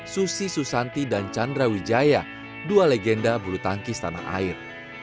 susi susanti dan chandra wijaya dua legenda bulu tangkis tanah air